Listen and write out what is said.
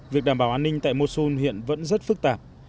việc đảm bảo an ninh tại moshon hiện vẫn rất phức tạp